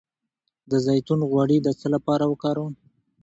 د زیتون غوړي د څه لپاره وکاروم؟